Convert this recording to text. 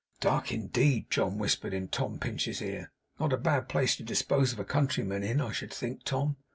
'Dark indeed,' John whispered in Tom Pinch's ear. 'Not a bad place to dispose of a countryman in, I should think, Tom.